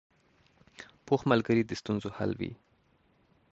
پوخ ملګری د ستونزو حل وي